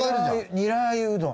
ニラー油うどん。